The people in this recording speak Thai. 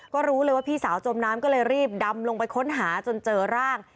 ก็รู้เลยว่าพี่สาวจมน้ำก็เลยรีบดำลงไปค้นหาจนเจอร่าง